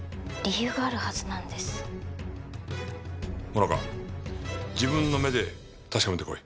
萌奈佳自分の目で確かめてこい。